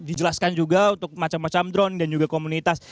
dijelaskan juga untuk macam macam drone dan juga komunitas